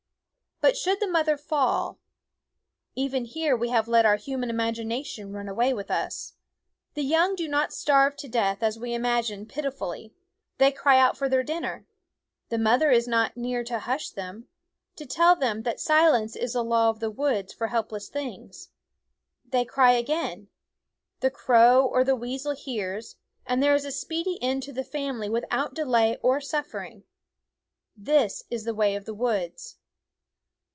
But should the mother fall even here we have let our human imagination run away with us the young do not starve to death, as we imagine pitifully. They cry out for their dinner; the mother is not near to hush them, to tell them that silence is the law of the woods for help less things. They cry again; the crow or the weasel hears, and there is a speedy end to the family without delay or suffering. This is the way of the woods.